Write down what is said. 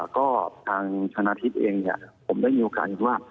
ก็ทางชนาทิศเองผมได้มีโอกาสอยู่ว่า